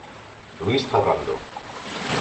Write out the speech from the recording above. Luis Ferrando.